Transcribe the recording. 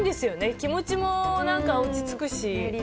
気持ちも落ち着くし。